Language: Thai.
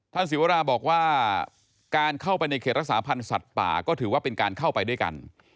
ศิวราบอกว่าการเข้าไปในเขตรักษาพันธ์สัตว์ป่าก็ถือว่าเป็นการเข้าไปด้วยกัน